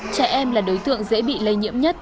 trẻ em là đối tượng dễ bị lây nhiễm nhất